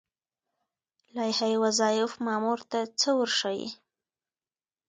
لایحه وظایف مامور ته څه ورښيي؟